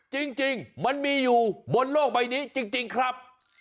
จริงมันมีอยู่บนโลกใบนี้จริงครับ